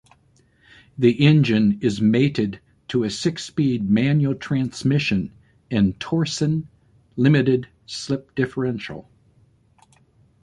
The engine is mated to a six-speed manual transmission and Torsen limited slip differential.